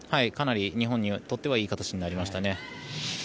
かなり日本にとってはいい形になりましたね。